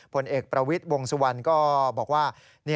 ผลเอกประวิทวงสุวรรณคือว่า